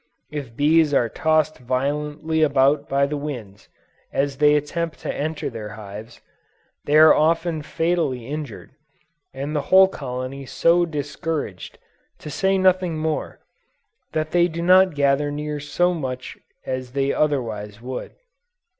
If bees are tossed violently about by the winds, as they attempt to enter their hives, they are often fatally injured, and the whole colony so discouraged, to say nothing more, that they do not gather near so much as they otherwise would.